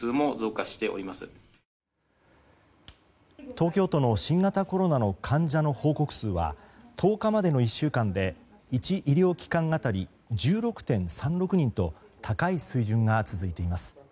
東京都の新型コロナの患者の報告数は１０日までの１週間で１医療機関当たり１６．３６人と高い水準が続いています。